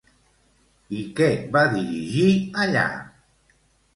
I què va dirigir allà?